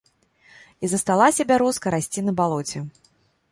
І засталася бярозка расці на балоце.